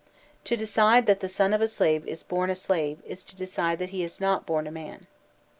To decide that the son of a slave is bom a slave is to decide that he is not bom a man.